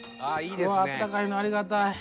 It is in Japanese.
あったかいのありがたい。